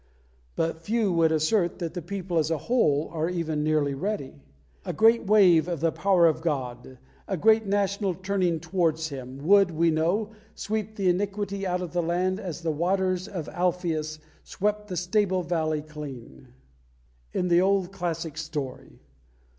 But few would assert that the people as a whole are even nearly ready. A great wave of the Power of God, a great national turning towards Him, would, we know, sweep the iniquity out of the land as the waters of the Alpheus swept the stable valley clean, in the old classic story.